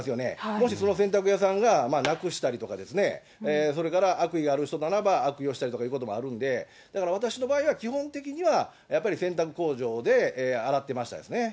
もしその洗濯屋さんがなくしたりとか、それから悪意がある人ならば悪用したりということもあるんで、だから私の場合は、基本的には、やっぱり洗濯工場で洗ってましたですね。